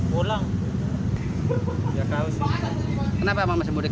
pulang ya kau sih kenapa masih mudik